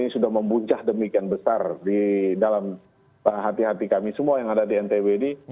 ini sudah membuncah demikian besar di dalam hati hati kami semua yang ada di ntb ini